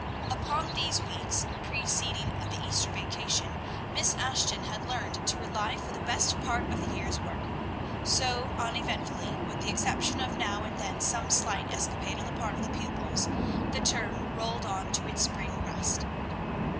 Upon these weeks preceding the Easter vacation, Miss Ashton had learned to rely for the best part of the year's work; so uneventfully, with the exception of now and then some slight escapade on the part of the pupils, the term rolled on to its spring rest.